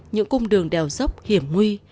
những cung đường đèo dốc hiểm nguy